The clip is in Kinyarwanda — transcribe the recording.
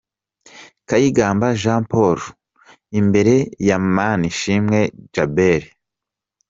Kayigamba Jean Paul imbere ya Manishimwe Djabel.